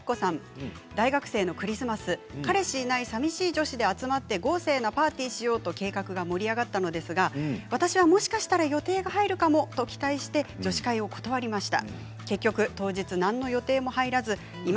大学生のクリスマス彼氏がいないさみしい女子どうしで集まって豪勢なパーティーをしようと計画が盛り上がったのですが私はもしかしたら予定が入るかもと期待して女子会を断りました。